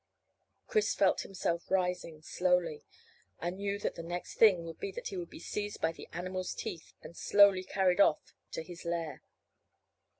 Chris felt himself rising slowly, and knew that the next thing would be that he would be seized by the animal's teeth and slowly carried off to his lair.